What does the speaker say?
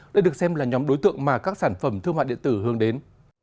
đây được xem là nhóm đối tượng mà các sản phẩm thương mại điện tử hướng đến